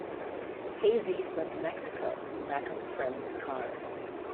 Kesey fled to Mexico in the back of a friend's car.